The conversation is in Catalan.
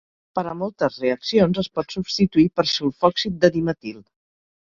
Per a moltes reaccions, es pot substituir per sulfòxid de dimetil.